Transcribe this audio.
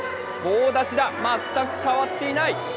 棒立ちだ、全く変わっていない。